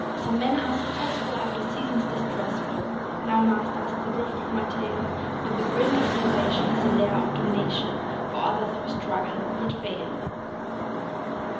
Some men are successful after seasons distressful [Now, masters, the drift of my tale]; But the brink of salvation is a lair of damnation For others who struggle, yet fail.